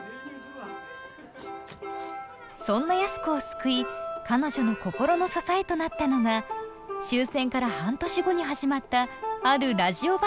そんな安子を救い彼女の心の支えとなったのが終戦から半年後に始まったあるラジオ番組でした。